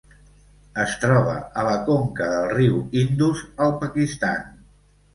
Es troba a la conca del riu Indus al Pakistan.